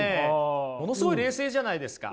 ものすごい冷静じゃないですか。